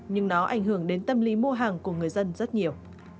nhưng nó ảnh hưởng đến tâm lý mua hàng của người dân rất nhiều